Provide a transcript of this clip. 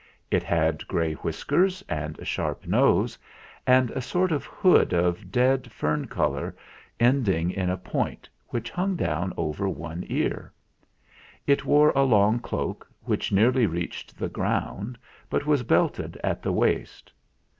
It had grey whiskers and a sharp nose, and a sort of hood of dead fern colour ending in a point, which hung down over one ear. It wore a long cloak, which nearly reached the ground, but was belted at the waist.